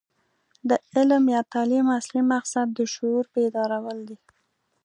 د علم یا تعلیم اصلي مقصد د شعور بیدارول دي.